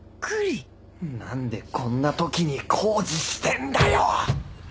何でこんな時に工事してんだよ！